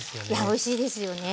おいしいですよね。